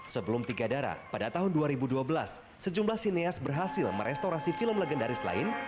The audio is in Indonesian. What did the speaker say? sebelum tiga darah pada tahun dua ribu dua belas sejumlah sineas berhasil merestorasi film legendaris lain